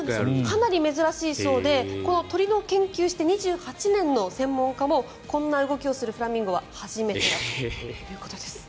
かなり珍しいそうで鳥を研究して２８年の専門家もこんな動きをするフラミンゴは初めてだということです。